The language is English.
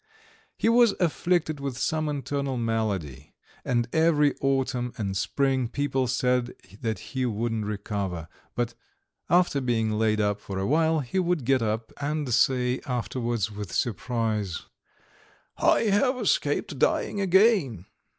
He was afflicted with some internal malady, and every autumn and spring people said that he wouldn't recover, but after being laid up for a while he would get up and say afterwards with surprise: "I have escaped dying again."